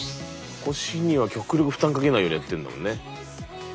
腰には極力負担かけないようにやってんだもんね。